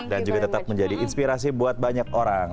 dan juga tetap menjadi inspirasi buat banyak orang